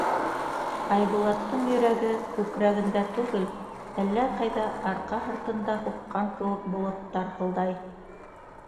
Айбулаттың йөрәге күкрәгендә түгел, әллә ҡайҙа арҡа һыртында һуҡҡан кеүек булып тарһылдай.